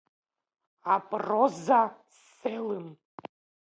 Апроза Селым…